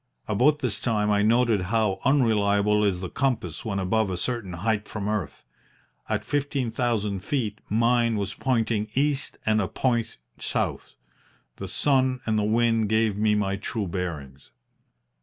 About this time I noted how unreliable is the compass when above a certain height from earth. At fifteen thousand feet mine was pointing east and a point south. The sun and the wind gave me my true bearings.